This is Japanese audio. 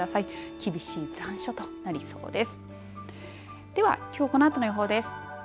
厳しい残暑となりそうです。